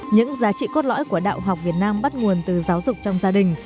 những giá trị cốt lõi của đạo học việt nam bắt nguồn từ giáo dục trong gia đình